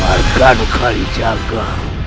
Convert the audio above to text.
harga dukani jaga